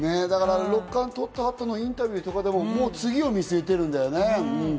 六冠とった後のインタビューとかでも次を見据えてるんだよね。